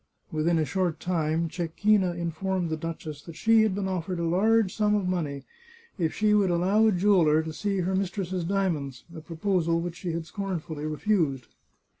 Within a short time, Cecchina informed the duchess that she had been offered a large sum of money if she would allow a jeweller to see her mistress's diamonds — a proposal which she had scornfully refused.